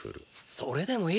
それでもいい。